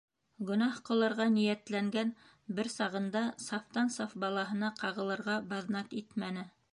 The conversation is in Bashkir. Гонаһ ҡылырға ниәтләнгән бер сағында сафтан-саф балаһына ҡағылырға баҙнат итмәне.